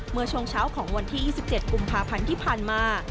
เมื่อช่วงเช้าของวันที่๒๗กุมภาพันธ์ที่ผ่านมา